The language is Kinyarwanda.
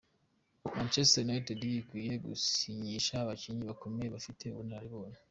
Manchester United ikwiriye gusinyisha abakinnyi bakomeye, bafite ubunararibonye.